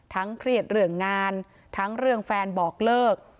เครียดเรื่องงานทั้งเรื่องแฟนบอกเลิก